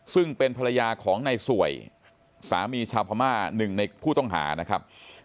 ซึ่งเป็นภรรยาของในสวยสามีชาวพม่าหนึ่งในผู้ต้องหานะครับ